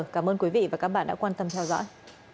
cảm ơn quý vị và các bạn đã quan tâm theo dõi